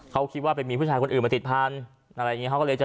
เขาคิดว่าไปมีผู้ชายคนอื่นมาติดพันธุ์อะไรอย่างนี้เขาก็เลยจะ